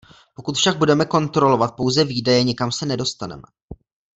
Pokud však budeme kontrolovat pouze výdaje, nikam se nedostaneme.